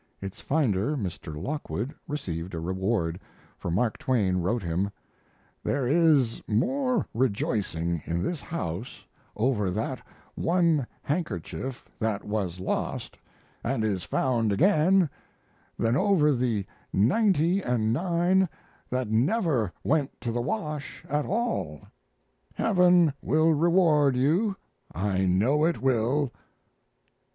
Its finder, a Mr. Lockwood, received a reward, for Mark Twain wrote him: There is more rejoicing in this house over that one handkerchief that was lost and is found again than over the ninety and nine that never went to the wash at all. Heaven will reward you, I know it will.